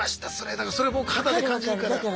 だからそれもう肌で感じるから。